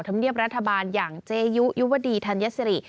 ธรรมเนียบรัฐบาลอย่างเจยุยุวดีธัญสิริ